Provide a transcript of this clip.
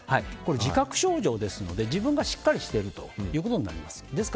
自覚症状ですので自分がしっかりしてるということになります。